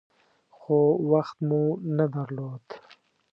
خو وخت مو نه درلود .